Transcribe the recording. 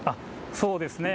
そうですね。